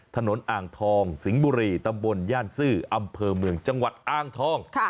อ่างทองสิงห์บุรีตำบลย่านซื่ออำเภอเมืองจังหวัดอ้างทอง